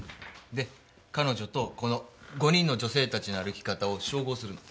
で彼女とこの５人の女性たちの歩き方を照合するの。